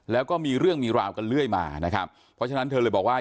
แล้วก็มีเรื่องมีราวกันเรื่อยมานะครับเพราะฉะนั้นเธอเลยบอกว่า